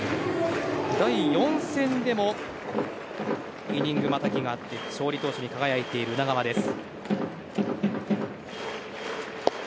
第４戦でもイニングまたぎがあって勝利投手に輝いている宇田川です。